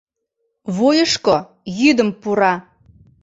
Вуйышко йӱдым пура.